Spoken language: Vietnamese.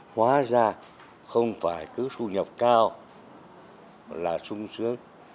hóa ra không phải cứ thu nhập cao là sung sướng